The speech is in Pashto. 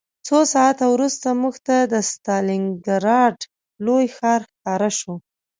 څو ساعته وروسته موږ ته د ستالینګراډ لوی ښار ښکاره شو